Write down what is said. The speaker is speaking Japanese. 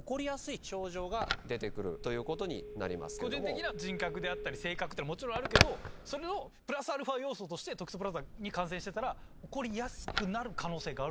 個人的な人格であったり性格ってもちろんあるけどそれのプラスアルファ要素としてトキソプラズマに感染してたら怒りやすくなる可能性がある？